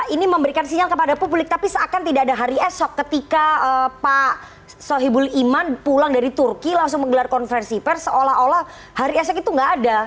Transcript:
ini memberikan sinyal kepada publik tapi seakan tidak ada hari esok ketika pak sohibul iman pulang dari turki langsung menggelar konversi pers seolah olah hari esok itu nggak ada